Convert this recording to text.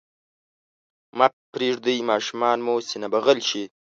مه پرېږدئ ماشومان مو سینه بغل شي.